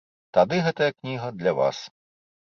Тады гэтая кніга для вас.